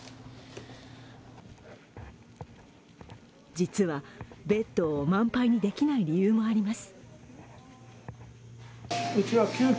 実は、ベッドを満杯にできない理由もあります。